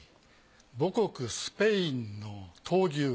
母国スペインの闘牛